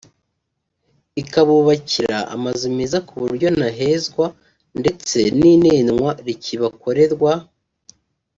ikabubakira amazu meza ku buryo nta hezwa ndetse n’inenwa rikibakorerwa